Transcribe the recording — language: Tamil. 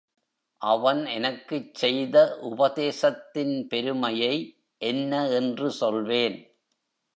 அவன் எனக்குச் செய்த உபதேசத்தின் பெருமையை என்ன என்று சொல்வேன்!